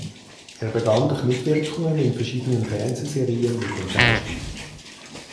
Er begann durch Mitwirkungen in verschiedenen Fernsehserien mit dem Schauspiel.